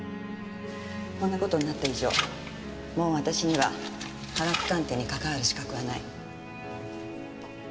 こんな事になった以上もう私には科学鑑定に関わる資格はない。